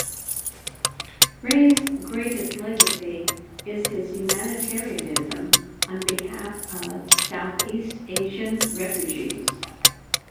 Ray's greatest legacy is his humanitarianism on behalf of Southeast Asian refugees.